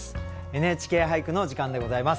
「ＮＨＫ俳句」の時間でございます。